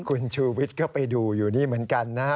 คุณชูวิทย์ก็ไปดูอยู่นี่เหมือนกันนะฮะ